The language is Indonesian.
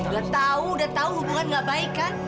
udah tau udah tau hubungan gak baik kan